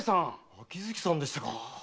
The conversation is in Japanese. ⁉秋月さんでしたか。